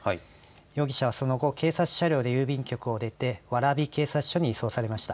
容疑者はその後警察車両で郵便局を出て蕨警察署に移送されました。